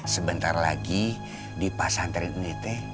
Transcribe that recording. sebentar lagi di pasantren ini teh